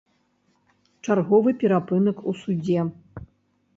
Чарговы перапынак у судзе.